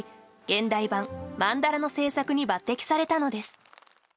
現代版マンダラの制作に抜擢されたのです。